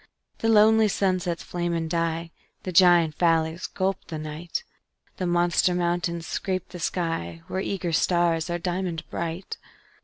_The lonely sunsets flame and die; The giant valleys gulp the night; The monster mountains scrape the sky, Where eager stars are diamond bright.